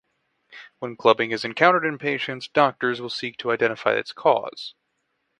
When clubbing is encountered in patients, doctors will seek to identify its cause.